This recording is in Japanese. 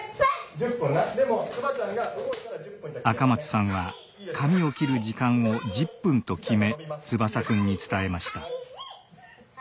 赤松さんは髪を切る時間を「１０分」と決め翼くんに伝えました。